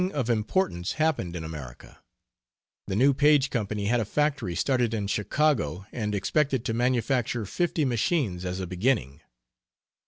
C. Nothing of importance happened in America. The new Paige company had a factory started in Chicago and expected to manufacture fifty machines as a beginning.